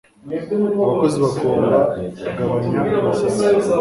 Abakozi bagomba kugabanya imisatsi